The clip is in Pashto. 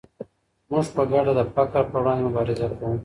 موږ په ګډه د فقر پر وړاندي مبارزه کوو.